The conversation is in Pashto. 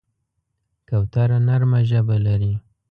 کوتره نرمه ژبه لري.